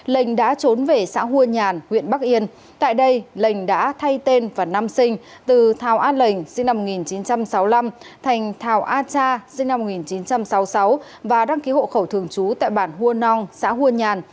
linh đã trốn về xã hua nhàn huyện bắc yên tại đây lành đã thay tên và năm sinh từ thảo a lệnh sinh năm một nghìn chín trăm sáu mươi năm thành thảo a cha sinh năm một nghìn chín trăm sáu mươi sáu và đăng ký hộ khẩu thường trú tại bản hua nong xã hua nhàn